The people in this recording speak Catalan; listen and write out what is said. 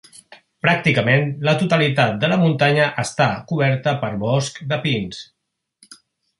Pràcticament la totalitat de la muntanya està coberta per boscs de pins.